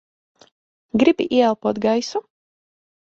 Gribi ieelpot gaisu?